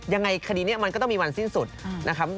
ยังไงคดีนี้มันก็ต้องมีวันสิ้นสุดนะครับ